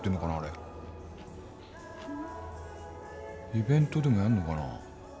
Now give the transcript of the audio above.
イベントでもやるのかな？